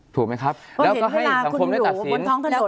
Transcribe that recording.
ถูกไหมครับแล้วก็ให้สังคมได้ตัดสิน